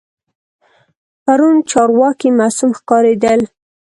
پرون چارواکي معصوم ښکارېدل.